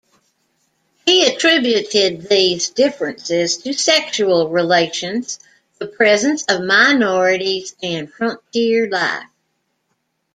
He attributed these differences to sexual relations, the presence of minorities and frontier life.